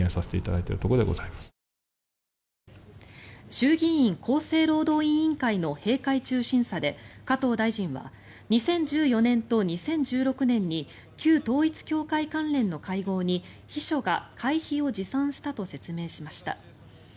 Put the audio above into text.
衆議院厚生労働委員会の閉会中審査で加藤大臣は２０１４年と２０１６年に旧統一教会関連の会合に秘書が会費を持参したと説明しました。